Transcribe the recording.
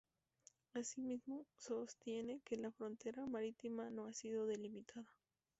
Asimismo, sostiene que la frontera marítima no ha sido delimitada.